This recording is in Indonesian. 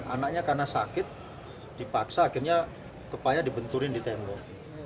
anaknya karena sakit dipaksa akhirnya kepala dibenturin di tembok